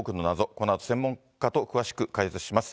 このあと、専門家と詳しく解説します。